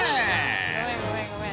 ごめんごめんごめん。